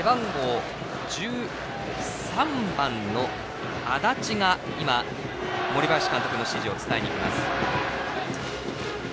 背番号１３番の安達が今、森林監督の指示を伝えにいきます。